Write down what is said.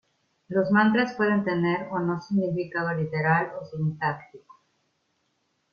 Los mantras pueden tener o no significado literal o sintáctico.